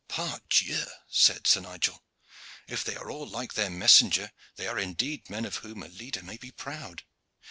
"Pardieu!" said Sir Nigel, "if they are all like their messenger, they are indeed men of whom a leader may be proud.